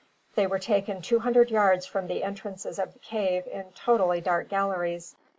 They were taken 200 yards from the entrance of the cave in totally dark galleries.